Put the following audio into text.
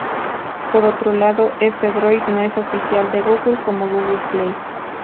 Por otro lado, F-Droid no es oficial de Google, como Google Play.